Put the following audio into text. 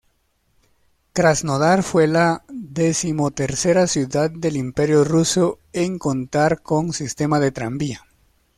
Krasnodar fue la decimotercera ciudad del Imperio ruso en contar con sistema de tranvía.